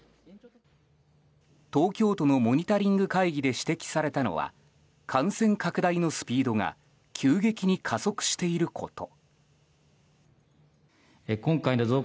東京都のモニタリング会議で指摘されたのは感染拡大のスピードが急激に加速していること。